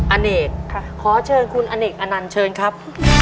อันเอกขอเชิญคุณอันเอกอนันเชิญครับ